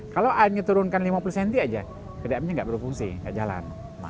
kalau airnya diturunkan lima puluh cm saja pdamnya tidak berfungsi tidak jalan